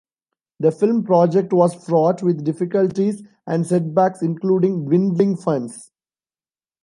The film project was fraught with difficulties and setbacks, including dwindling funds.